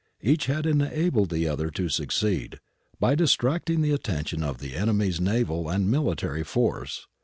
Each had enabled the other to succeed, by distracting the attention of the enemy's naval and military force.